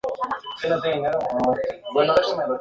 Se trata de una formación muy completa.